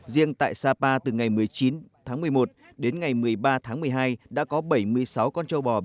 riêng tại sapa từ ngày một mươi chín tháng một mươi một đến ngày một mươi ba tháng một mươi hai đã có bảy mươi